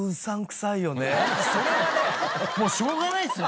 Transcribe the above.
それはねもうしょうがないっすよ